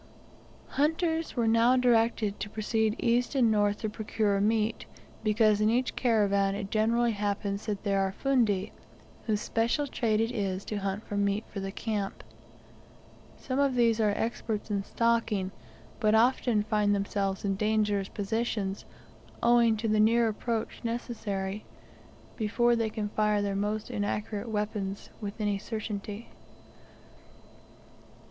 Hunters were now directed to proceed east and north to procure meat, because in each caravan it generally happens that there are fundi, whose special trade it is to hunt for meat for the camp. Some of these are experts in stalking, but often find themselves in dangerous positions, owing to the near approach necessary, before they can fire their most inaccurate weapons with any certainty.